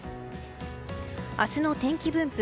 明日の天気分布。